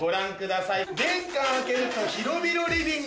玄関開けると広々リビング。